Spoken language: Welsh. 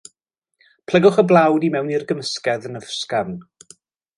Plygwch y blawd i mewn i'r gymysgedd yn ysgafn.